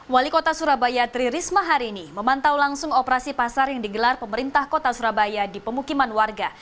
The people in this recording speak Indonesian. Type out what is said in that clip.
wali kota surabaya tri risma hari ini memantau langsung operasi pasar yang digelar pemerintah kota surabaya di pemukiman warga